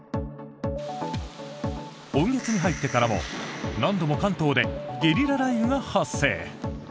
今月に入ってからも何度も関東でゲリラ雷雨が発生。